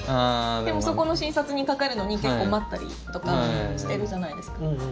でも、そこの診察にかかるのに結構待ったりとかしてるじゃないですか。